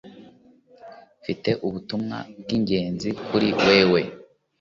Mfite ubutumwa bwingenzi kuri wewe.